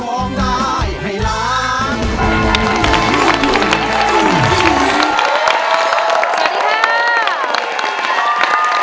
สวัสดีค่ะ